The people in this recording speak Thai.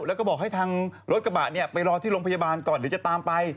แล้วก็บอกให้ทางรถกระบะไปรอที่โรงพยาบาลก่อนเดี๋ยวจะตามไป